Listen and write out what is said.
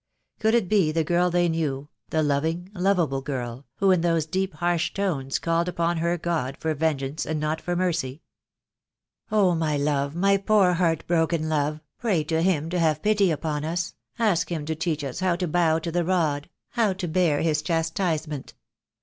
Could it be the girl they knew, the loving, lovable girl, who, in those deep, harsh tones, called upon her God for venge ance and not for mercy? "Oh, my love, my poor heart broken love, pray to flim to have pity upon us, ask Him to teach us how to THE DAY WILL COME. tl3 bow to the rod, how to bear His chastisement.